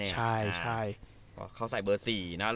ใช่ใช่เค้าใส่เบอร์สี่นะ